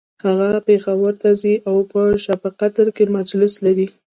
هغه پیښور ته ځي او په شبقدر کی مجلس لري